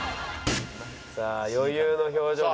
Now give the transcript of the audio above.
さあ余裕の表情で。